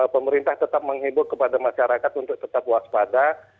pemerintah tetap menghibur kepada masyarakat untuk tetap waspada